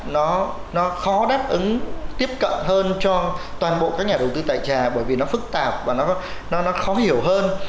nó khó đáp ứng tiếp cận hơn cho toàn bộ các nhà đầu tư tại trà bởi vì nó phức tạp và nó khó hiểu hơn